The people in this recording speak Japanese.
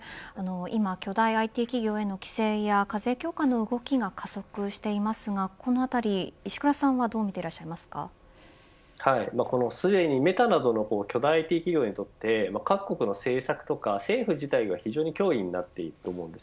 今、巨大ＩＴ企業への規制や課税強化の動きが加速していますがこの辺り、石倉さんはすでにメタなどの巨大ＩＴ企業にとって各国の政策や政府自体が非常に脅威になっていると思います。